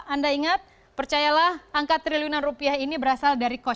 anda ingat percayalah angka triliunan rupiah ini berasal dari rp satu sembilan triliun